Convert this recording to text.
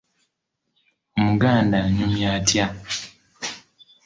Omuganda anyumya atya?